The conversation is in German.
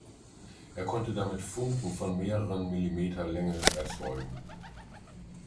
Er konnte damit Funken von mehreren Millimeter Länge erzeugen.